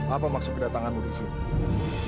apa maksud kedatanganmu disini